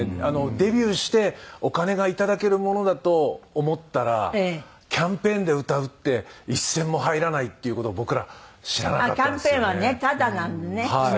デビューしてお金がいただけるものだと思ったらキャンペーンで歌うって一銭も入らないっていう事を僕ら知らなかったんですよね。